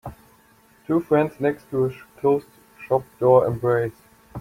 Two friends next to a closed shop door embrace